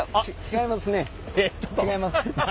違います。